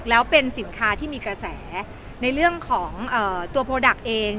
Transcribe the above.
แล้วเป็นสินค้าที่มีกระแสในเรื่องของเอ่อตัวเอง